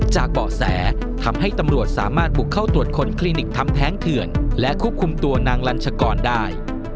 เบาะแสทำให้ตำรวจสามารถบุกเข้าตรวจค้นคลินิกทำแท้งเถื่อนและควบคุมตัวนางลัญชกรได้